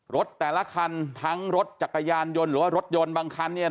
แต่ละคันทั้งรถจักรยานยนต์หรือว่ารถยนต์บางคันเนี่ย